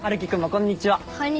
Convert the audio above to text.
こんにちは。